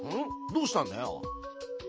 どうしたんだよ？